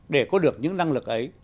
để có được những năng lực ấy